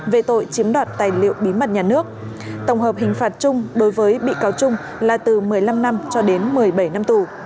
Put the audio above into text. về tội chiếm đoạt tài liệu bí mật nhà nước tổng hợp hình phạt chung đối với bị cáo trung là từ một mươi năm năm cho đến một mươi bảy năm tù